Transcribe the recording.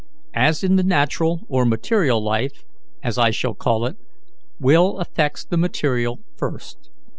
As in the natural or material life, as I shall call it, will affects the material first.